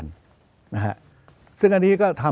จะพิจารณาคม